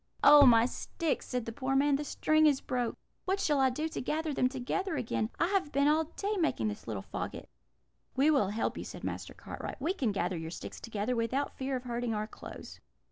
"'Oh, my sticks!' said the poor man; 'the string is broke! What shall I do to gather them together again? I have been all day making this little faggot.' "'We will help you,' said Master Cartwright; 'we can gather your sticks together without fear of hurting our clothes.'